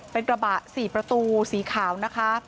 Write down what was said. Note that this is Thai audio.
เป็นกระบะ๔ประตูสีขาวนะคะ